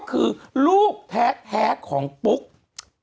คุณหนุ่มกัญชัยได้เล่าใหญ่ใจความไปสักส่วนใหญ่แล้ว